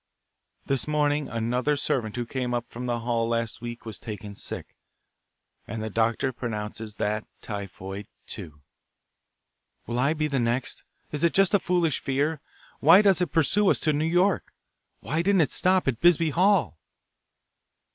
This morning another servant who came up from the hall last week was taken sick, and the doctor pronounces that typhoid, too. Will I be the next? Is it just a foolish fear? Why does it pursue us to New York? Why didn't it stop at Bisbee Hall?"